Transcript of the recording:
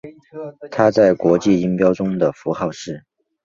它在国际音标中的符号是。